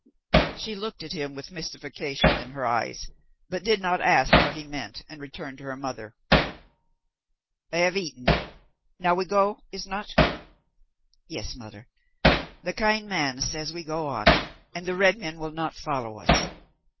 She looked at him with mystification in her eyes, but did not ask what he meant, and returned to her mother. "I have eaten. Now we go, is not?" "Yes, mother. The kind man says we go on, and the red men will not follow us."